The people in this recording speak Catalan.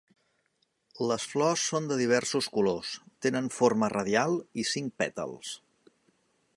Les flors són de diversos colors, tenen forma radial i cinc pètals.